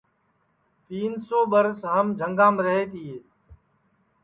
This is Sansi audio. شہرا کی ٻُدھی کم تی کیونکہ تین سو سال ہم جھنگام رہے تیے